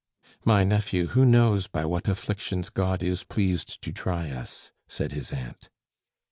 "My nephew, who knows by what afflictions God is pleased to try us?" said his aunt.